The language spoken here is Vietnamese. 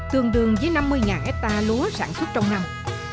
tương đương với năm mươi hectare lúa sản xuất trong năm